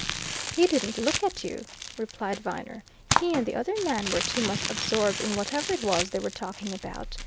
"He didn't look at you," replied Viner. "He and the other man were too much absorbed in whatever it was they were talking about.